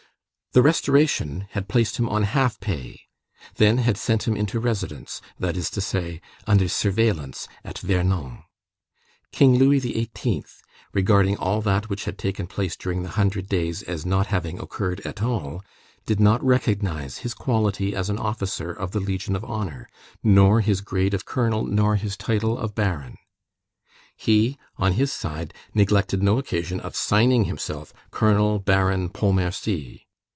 The Restoration had placed him on half pay, then had sent him into residence, that is to say, under surveillance, at Vernon. King Louis XVIII., regarding all that which had taken place during the Hundred Days as not having occurred at all, did not recognize his quality as an officer of the Legion of Honor, nor his grade of colonel, nor his title of baron. He, on his side, neglected no occasion of signing himself "Colonel Baron Pontmercy."